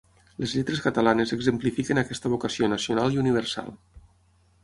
Les lletres catalanes exemplifiquen aquesta vocació nacional i universal.